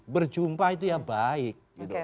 berjumpa itu ya baik